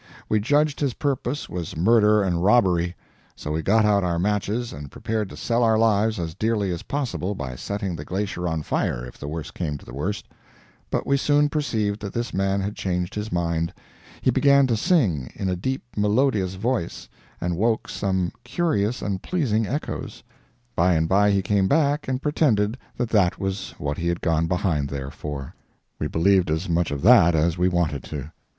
We judged his purpose was murder and robbery; so we got out our matches and prepared to sell our lives as dearly as possible by setting the glacier on fire if the worst came to the worst but we soon perceived that this man had changed his mind; he began to sing, in a deep, melodious voice, and woke some curious and pleasing echoes. By and by he came back and pretended that that was what he had gone behind there for. We believed as much of that as we wanted to.